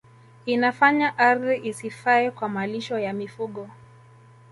Inafanya ardhi isifae kwa malisho ya mifugo